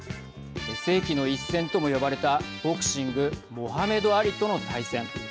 世紀の一戦とも呼ばれたボクシングモハメド・アリとの対戦。